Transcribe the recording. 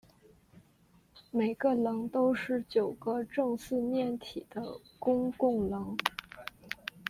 每个棱都是九个正四面体的公共棱。